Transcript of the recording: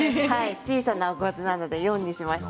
小さなおかずなので小さくしました。